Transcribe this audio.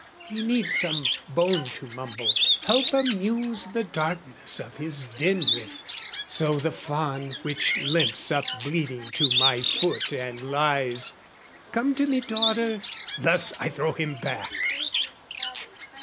"He needs some bone to mumble, help amuse "The darkness of his den with: so, the fawn "Which limps up bleeding to my foot and lies, " Come to me, daughter, thus I throw him back!"